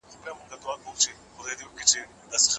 د ګوتو سم ایښودل د ټایپنګ لومړی شرط دی.